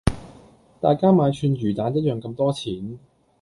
大家買串魚蛋一樣咁多錢